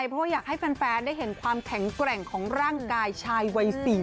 เพราะว่าอยากให้แฟนได้เห็นความแข็งแกร่งของร่างกายชายวัย๔๐